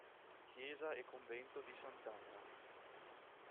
Chiesa e convento di Sant'Anna